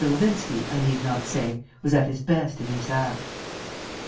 Levinski, I need not say, was at his best in this Act.